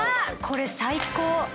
これ最高。